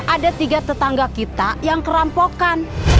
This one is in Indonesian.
ada tiga tetangga kita yang kerampokan